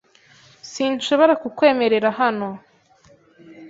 Sinshobora kukwemerera hano .